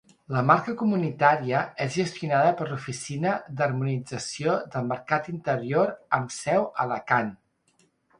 La marca comunitària és gestionada per l'Oficina d'Harmonització del Mercat Interior amb seu a Alacant.